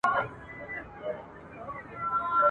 وخت به ازمېیلی یم ما بخت دی آزمېیلی ..